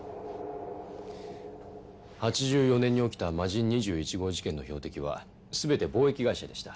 ８４年に起きた魔人２１号事件の標的は全て貿易会社でした。